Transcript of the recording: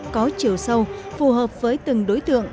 có chiều sâu phù hợp với từng đối tượng